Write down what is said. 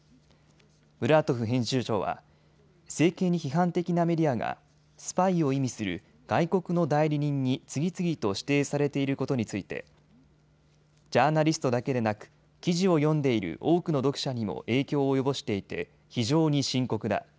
ムラートフ編集長は政権に批判的なメディアがスパイを意味する外国の代理人に次々と指定されていることについてジャーナリストだけでなく記事を読んでいる多くの読者にも影響を及ぼしていて非常に深刻だ。